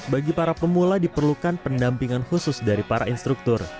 bagi para pemula diperlukan pendampingan khusus dari para instruktur